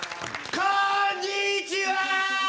こんにちはー！